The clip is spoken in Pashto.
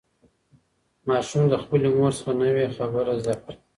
ماشوم له خپلې مور څخه نوې خبره زده کړه